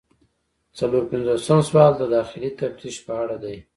څلور پنځوسم سوال د داخلي تفتیش په اړه دی.